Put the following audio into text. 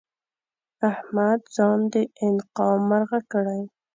احمد ځان د انقا مرغه کړی؛